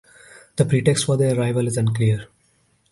The pretext for their arrival is unclear.